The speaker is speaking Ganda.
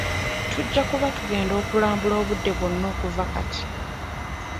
Tujja kuba tugenda okulambula obudde bwonna okuva kati.